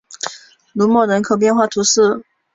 卢莫人口变化图示